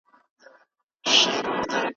هغه څوک چي مطالعه نه کوي پرمختګ نسي کولای.